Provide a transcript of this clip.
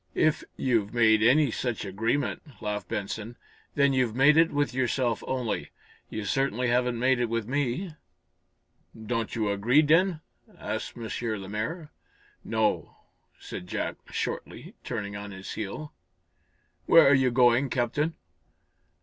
"If you've made any such agreement," laughed Benson, "then you've made it with yourself only. You certainly haven't made it with me." "Don't you agree, then?" asked M. Lemaire. "No," said Jack, shortly, turning on his heel. "Where are you going, Captain?"